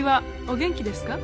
お元気ですか？」。